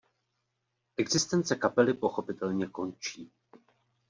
Existence kapely pochopitelně končí.